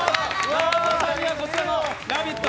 ＮＡＯＴＯさんにはこちらのラヴィット！